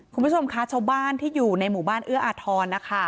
คุณผู้ชมคะชาวบ้านที่อยู่ในหมู่บ้านเอื้ออาทรนะคะ